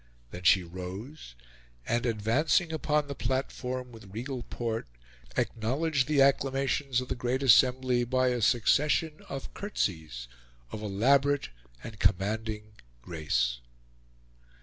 Then she rose, and, advancing upon the platform with regal port, acknowledged the acclamations of the great assembly by a succession of curtseys, of elaborate and commanding grace.